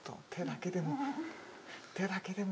手だけでも。